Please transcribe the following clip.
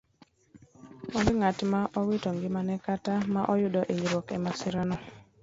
Onge ng'at ma owito ngimane kata ma oyudo inyruok emasirano.